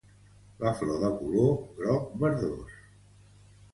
La flor de color groc verdós.